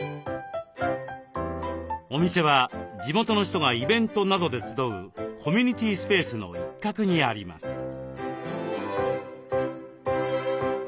お店は地元の人がイベントなどで集うコミュニティースペースの一角にあります。